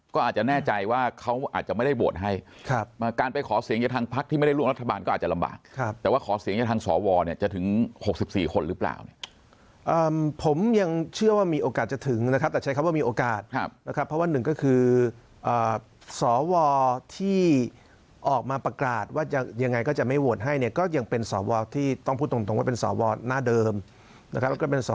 การทำลายความสามัคคีเนี่ยเป็นสัญลักษณ์ของการทำลายความสามัคคีเนี่ยเป็นสัญลักษณ์ของการทำลายความสามัคคีเนี่ยเป็นสัญลักษณ์ของการทำลายความสามัคคีเนี่ยเป็นสัญลักษณ์ของการทำลายความสามัคคีเนี่ยเป็นสัญลักษณ์ของการทำลายความสามัคคีเนี่ยเป็นสัญลักษณ์ของการทำลายความสามัคคีเนี่ยเป็นสั